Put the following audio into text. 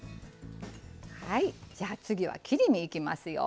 じゃあ次は切り身いきますよ。